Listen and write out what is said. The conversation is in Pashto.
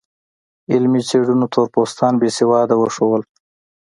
علمي څېړنو تور پوستان بې سواده وښودل.